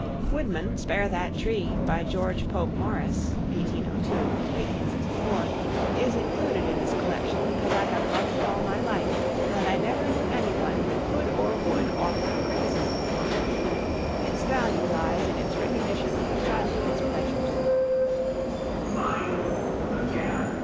"Woodman, Spare That Tree" (by George Pope Morris, 1802 64) is included in this collection because I have loved it all my life, and I never knew any one who could or would offer a criticism upon it. Its value lies in its recognition of childhood's pleasures.